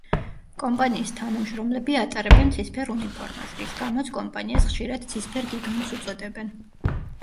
კომპანიის თანამშრომლები ატარებენ ცისფერ უნიფორმას, რის გამოც კომპანიას ხშირად „ცისფერ გიგანტს“ უწოდებენ.